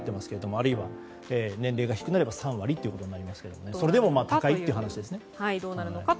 あるいは、年齢が低くなれば３割となりますけどもそれでも高いという話ですね。